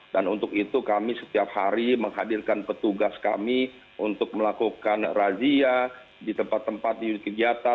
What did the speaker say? dan untuk itu kami setiap hari menghadirkan petugas kami untuk melakukan razia di tempat tempat di unit kegiatan